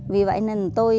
vì vậy nên tôi